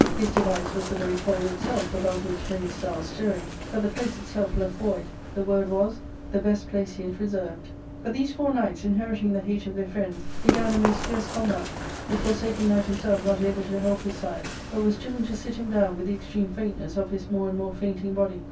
His device was the very pole itself, about which many stars stirring, but the place itself left void ; the word was, " The best place yet reserved." But these four knights, inheriting the hate of their friends, began a most fierce combat ; the Forsaken Knight himself not able to help his side, but was drivea to sit him down with the extreme faintness of his more and more fainting body.